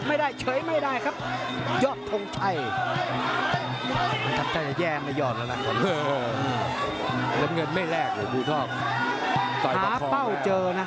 แก่มายอดแล้วนะฮือลำเงินไม่แรกโหดูทอบหาเป้าเจอน่ะ